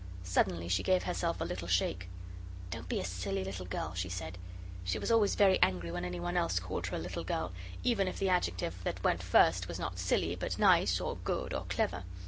Suddenly she gave herself a little shake. "Don't be a silly little girl," she said. She was always very angry when anyone else called her a little girl, even if the adjective that went first was not "silly" but "nice" or "good" or "clever."